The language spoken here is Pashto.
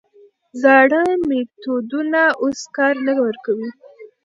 زاړه میتودونه اوس کار نه ورکوي.